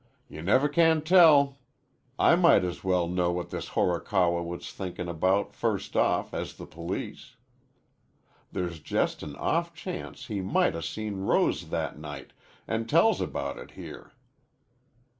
"You never can tell. I might as well know what this Horikawa was thinkin' about first off as the police. There's just an off chance he might 'a' seen Rose that night an' tells about it here."